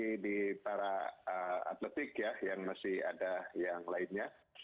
masih di para atletik ya yang masih ada yang lainnya